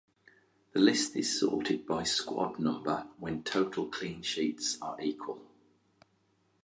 The list is sorted by squad number when total clean sheets are equal.